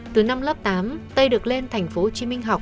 từ năm lớp tám tây được lên thành phố hồ chí minh học